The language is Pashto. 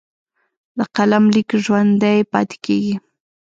د قلم لیک ژوندی پاتې کېږي.